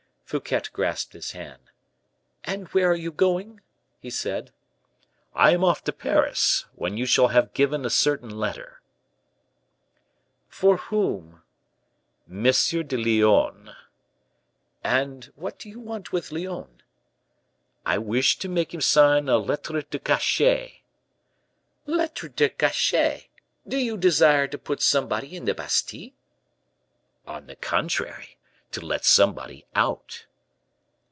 Fouquet grasped his hand. "And where are you going?" he said. "I am off to Paris, when you shall have given a certain letter." "For whom?" "M. de Lyonne." "And what do you want with Lyonne?" "I wish to make him sign a lettre de cachet." "'Lettre de cachet!' Do you desire to put somebody in the Bastile?" "On the contrary to let somebody out."